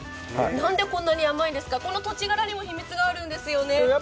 何でこんなに甘いんですか、この土地柄にも秘密があるんですよね。